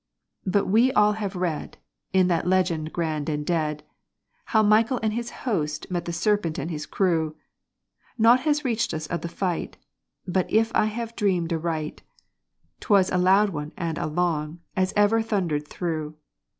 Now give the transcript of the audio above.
But we all have read (in that Legend grand and dread), How Michael and his host met the Serpent and his crew Naught has reached us of the Fight but if I have dreamed aright, 'Twas a loud one and a long, as ever thundered through!